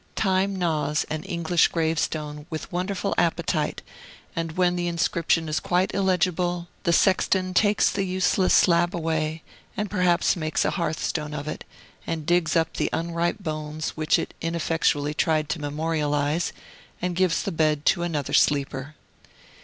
Time gnaws an English gravestone with wonderful appetite; and when the inscription is quite illegible, the sexton takes the useless slab away, and perhaps makes a hearthstone of it, and digs up the unripe bones which it ineffectually tried to memorialize, and gives the bed to another sleeper.